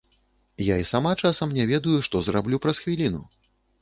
Я і сама часам не ведаю, што зраблю праз хвіліну.